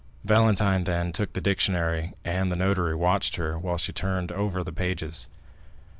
Valentine then took the dictionary, and the notary watched her while she turned over the pages.